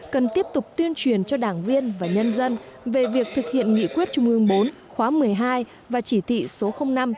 cần tiếp tục tuyên truyền cho đảng viên và nhân dân về việc thực hiện nghị quyết trung ương bốn khóa một mươi hai và chỉ thị số năm